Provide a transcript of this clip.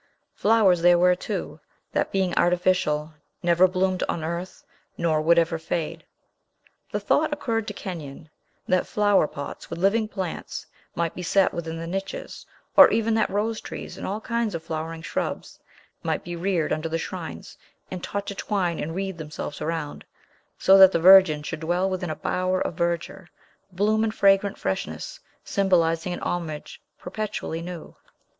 Flowers there were, too, that, being artificial, never bloomed on earth, nor would ever fade. The thought occurred to Kenyon, that flower pots with living plants might be set within the niches, or even that rose trees, and all kinds of flowering shrubs, might be reared under the shrines, and taught to twine and wreathe themselves around; so that the Virgin should dwell within a bower of verdure, bloom, and fragrant freshness, symbolizing a homage perpetually new.